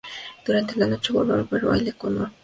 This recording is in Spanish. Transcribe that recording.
Durante la noche vuelve a haber baile con orquesta.